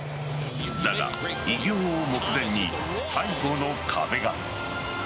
だが、偉業を目前に最後の壁が。